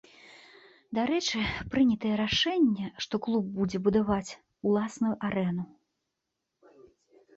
Дарэчы, прынятае рашэнне, што клуб будзе будаваць уласную арэну.